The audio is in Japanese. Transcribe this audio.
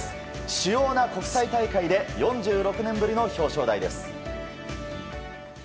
主要な国際大会で４６年ぶりの表彰台です。